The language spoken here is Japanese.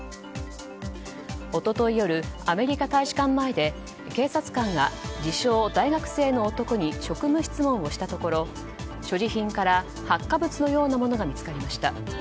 一昨日夜、アメリカ大使館前で警察官が自称大学生の男に職務質問をしたところ所持品から発火物のようなものが見つかりました。